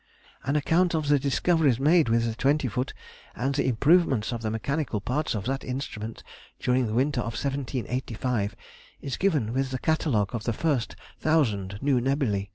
An account of the discoveries made with the twenty foot and the improvements of the mechanical parts of that instrument during the winter of 1785, is given with the Catalogue of the first 1000 new nebulæ.